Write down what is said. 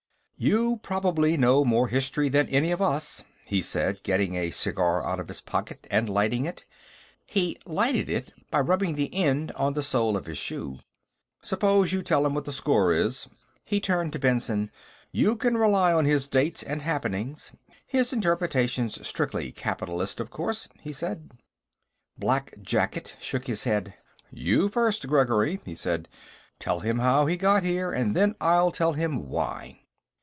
"You probably know more history than any of us," he said, getting a cigar out of his pocket and lighting it. He lighted it by rubbing the end on the sole of his shoe. "Suppose you tell him what the score is." He turned to Benson. "You can rely on his dates and happenings; his interpretation's strictly capitalist, of course," he said. Black jacket shook his head. "You first, Gregory," he said. "Tell him how he got here, and then I'll tell him why."